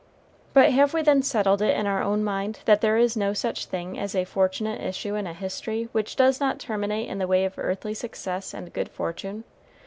But have we then settled it in our own mind that there is no such thing as a fortunate issue in a history which does not terminate in the way of earthly success and good fortune?